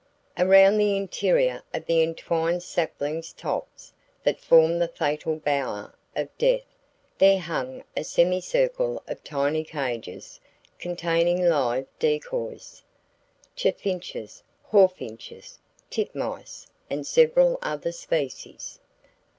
Around the interior of the entwined sapling tops that formed the fatal bower of death there hung a semicircle of tiny cages containing live decoys,—chaffinches, hawfinches, titmice and several other species.